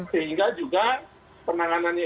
sehingga juga penanganannya